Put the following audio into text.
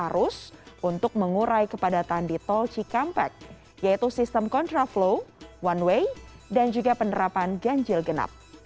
arus untuk mengurai kepada tandi tol cikampek yaitu sistem kontra flow one way dan juga penerapan ganjil genap